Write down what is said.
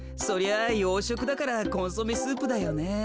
あようしょくだからコンソメスープだよね。